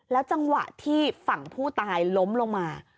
จังหวะที่ฝั่งผู้ตายล้มลงมา